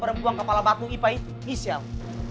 perempuan kepala batu ipa itu michelle